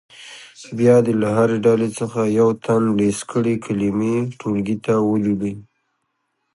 بیا دې له هرې ډلې څخه یو تن لیست کړې کلمې ټولګي ته ولولي.